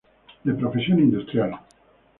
De profesión industrial.